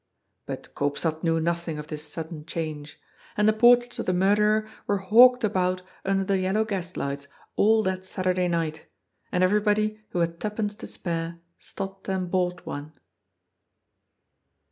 But Eoopstad knew nothing of this sudden change. And the portraits of the murderer were hawked about under the yellow gaslights all that Saturday night, and everybody who had twopence to spare stopped and bought one.